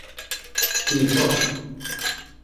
Tkeyyfeḍ.